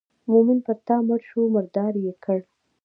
مومن پر تا مړ شو مردار یې کړ.